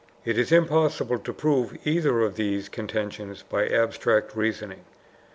It is impossible to prove either of these contentions by abstract reasoning.